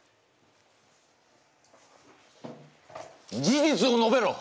事実をのべろ。